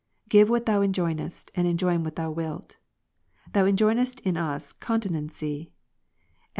Give what Thou enjoinest, and enjoin whatThou wilt^ Thou enjoinest us continency *; and Wisd.